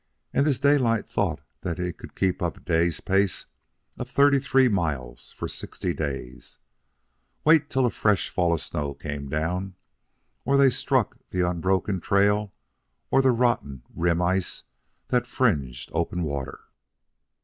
And this Daylight thought that he could keep up a day's pace of thirty three miles for sixty days! Wait till a fresh fall of snow came down, or they struck the unbroken trail or the rotten rim ice that fringed open water.